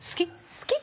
好き？